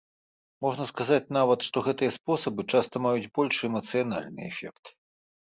Можна сказаць нават, што гэтыя спосабы часта маюць большы эмацыянальны эфект.